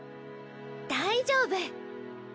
大丈夫。